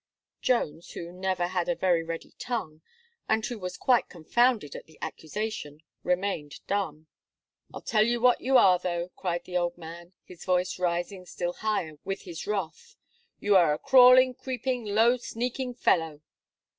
Jones, who never had a very ready tongue, and who was quite confounded at the accusation, remained dumb. "I'll tell you what you are, though," cried the old man, his voice rising still higher with his wrath; "you are a crawling, creeping, low, sneaking fellow!"